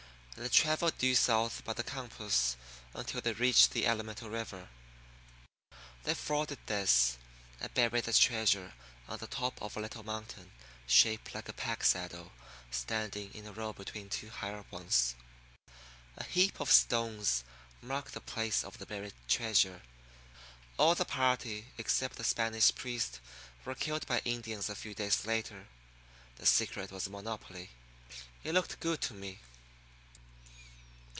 They travelled due south by the compass until they reached the Alamito River. They forded this, and buried the treasure on the top of a little mountain shaped like a pack saddle standing in a row between two higher ones. A heap of stones marked the place of the buried treasure. All the party except the Spanish priest were killed by Indians a few days later. The secret was a monopoly. It looked good to me.